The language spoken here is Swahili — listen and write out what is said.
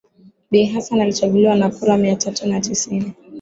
Bi Hassan alichaguliwa kwa kura mia tatu na tisini